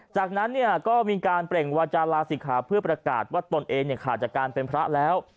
จากนั้นเนี่ยก็มีการเปล่งวาจาลาศิกขาเพื่อประกาศว่าตนเองขาดจากการเป็นพระแล้ว